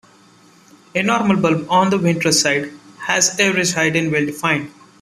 A normal bulb on the ventral side has average height and well-defined.